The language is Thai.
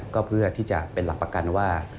ก็เพื่อที่จะเป็นหลักประกันว่า